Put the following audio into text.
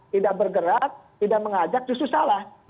tidak bergerak tidak mengajak justru salah